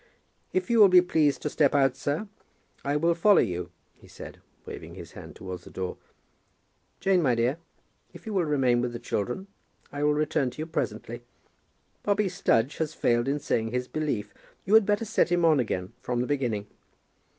"If you will be pleased to step out, sir, I will follow you," he said, waving his hand towards the door. "Jane, my dear, if you will remain with the children, I will return to you presently. Bobby Studge has failed in saying his Belief. You had better set him on again from the beginning.